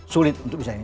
sulit untuk bisa ini